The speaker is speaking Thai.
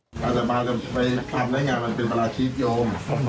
พระสัตว์ประธานาภาคจะไปตามได้งานมันเป็นประลาคีสโยม